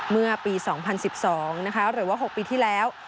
เมื่อปี๒๐๑๒หรือว่า๖ปีที่แล้ว